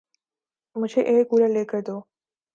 مجھے air cooler لے کر دو